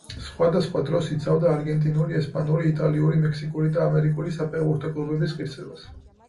სხვადასხვა დროს იცავდა არგენტინული, ესპანური, იტალიური, მექსიკური და ამერიკული საფეხბურთო კლუბების ღირსებას.